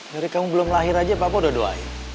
dari kamu belum lahir aja papa udah doain